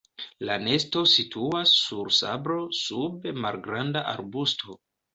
La nesto situas sur sablo sub malgranda arbusto.